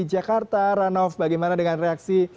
di jakarta heranov bagaimana dengan reaksi